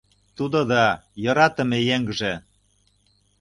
Тудо да — йӧратыме еҥже!